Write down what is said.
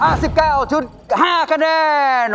ห้าสิบเก้าจุดห้าคะแนน